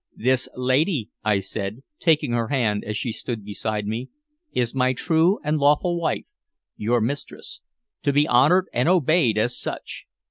"This lady," I said, taking her hand as she stood beside me, "is my true and lawful wife, your mistress, to be honored and obeyed as such.